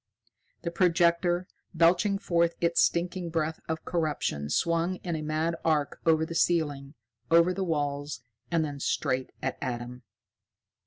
The projector, belching forth its stinking breath of corruption swung in a mad arc over the ceiling, over the walls and then straight at Adam.